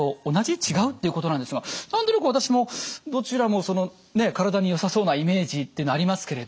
違う？っていうことなんですが何となく私もどちらも体によさそうなイメージっていうのありますけれど。